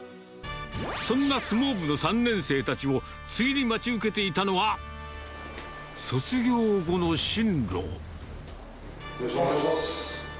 そんな相撲部の３年生たちを、次に待ち受けていたのは、卒業後お願いします。